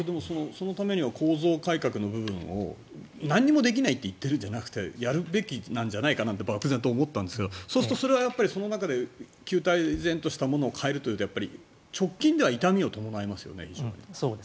そのためには構造改革の部分を何にもできないって言ってるんじゃなくてやるべきなんじゃないかとばくぜんと思ったんですがそうするとそれは旧態依然としたものを変えるというとやっぱり直近では痛みを伴いますよね。